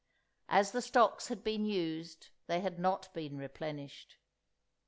As the stocks had been used, they had not been replenished.